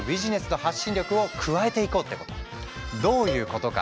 どういうことか？